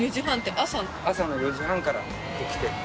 朝の４時半から起きて。